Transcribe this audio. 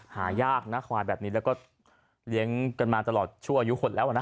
หายากนะควายแบบนี้แล้วก็เลี้ยงกันมาตลอดชั่วอายุคนแล้วนะ